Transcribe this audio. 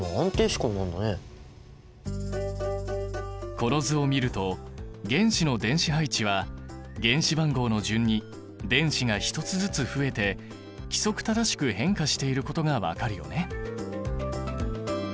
この図を見ると原子の電子配置は原子番号の順に電子が１つずつ増えて規則正しく変化していることが分かるよね。